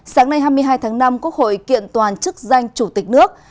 sáng nay hai mươi hai tháng năm quốc hội kiện toàn chức danh chủ tịch nước